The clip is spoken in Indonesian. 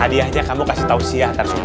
hadiahnya kamu kasih tau siyahtar subuh ya